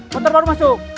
motor baru masuk